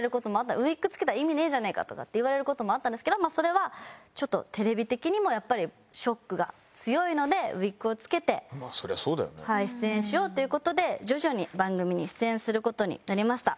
ウィッグ着けたら意味ねえじゃねえかとかって言われる事もあったんですけどそれはちょっとテレビ的にもやっぱりショックが強いのでウィッグを着けて出演しようという事で徐々に番組に出演する事になりました。